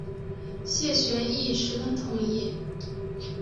谢玄亦十分同意。